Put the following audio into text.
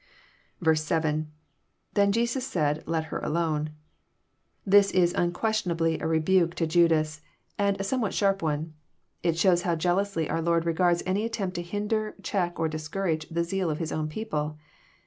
7.—lThen aaid Jesus, Let Aer alone.'] This is unquestionably a re buke to Judas, and a somewhat sharp one. It shows how Jealously our Lord regards any attempt to hinder, check, or discourage the zeal of His own people.